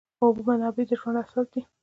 د اوبو منابع د ژوند اساس دي.